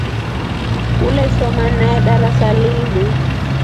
Ulesoma nafe darasa limu.